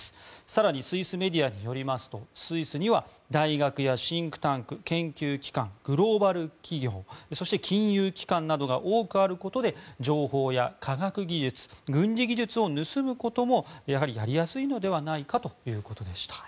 更に、スイスメディアによりますとスイスには大学やシンクタンク研究機関、グローバル企業そして金融機関などが多くあることで情報や科学技術軍事技術を盗むこともやりやすいのではないかということでした。